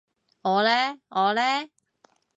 我呢我呢？